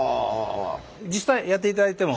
実際やっていただいても。